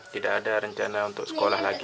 tidak ada rencana untuk sekolah lagi